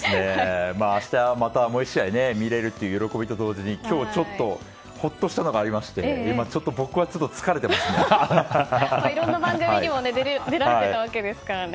明日またもう１試合見れる喜びと今日、ちょっとほっとしたのがありましていろんな番組にも出られてたわけですからね。